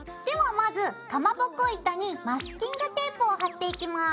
まずかまぼこ板にマスキングテープを貼っていきます。